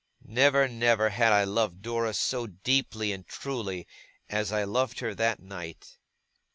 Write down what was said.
Never, never, had I loved Dora so deeply and truly, as I loved her that night.